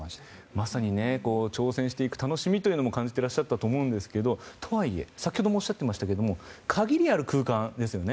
まさに挑戦していく楽しみというのも感じてらっしゃったと思いますがとはいえ、先ほどもおっしゃってましたけど限りある空間ですよね。